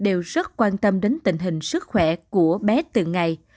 đều rất quan tâm đến tình hình sức khỏe của bé từng ngày